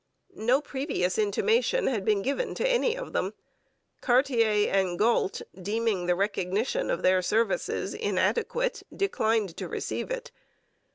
No previous intimation had been given to any of them. Cartier and Galt, deeming the recognition of their services inadequate, declined to receive it.